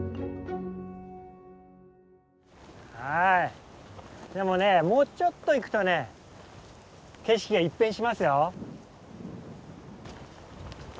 はいでもねもうちょっと行くとね景色が一変しますよ。